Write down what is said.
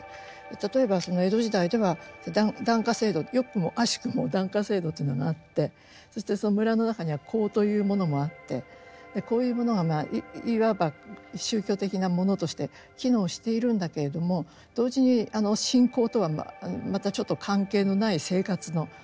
例えば江戸時代では檀家制度よくも悪しくも檀家制度というのがあってそしてその村の中には講というものもあってこういうものがいわば宗教的なものとして機能しているんだけれども同時に信仰とはまたちょっと関係のない生活の一部として存在していると。